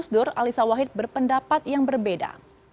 kedekatan dari gusdur alisa wahid berpendapat yang berbeda